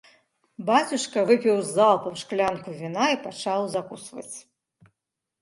Бацюшка выпіў залпам шклянку віна і пачаў закусваць.